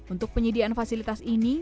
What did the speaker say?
untuk penyediaan fasilitas ini